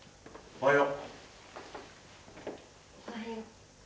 おはよう。